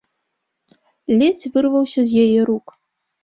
Ледзь вырваўся з яе рук.